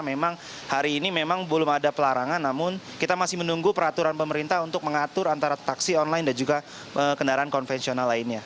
memang hari ini memang belum ada pelarangan namun kita masih menunggu peraturan pemerintah untuk mengatur antara taksi online dan juga kendaraan konvensional lainnya